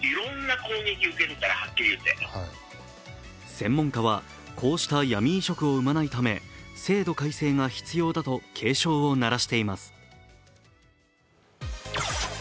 専門家はこうした闇移植を生まないため制度改正が必要だと警鐘を鳴らしています。